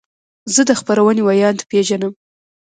زه د خپرونې ویاند پیژنم.